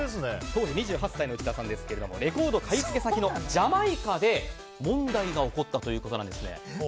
当時２８歳の内田さんですがレコード買い付け先のジャマイカで問題が起こったということです。